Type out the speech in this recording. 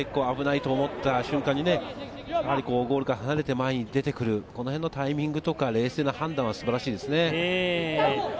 危ないと思った瞬間にゴールから離れて前に出てくる、このへんのタイミングとか冷静な判断は素晴らしいですね。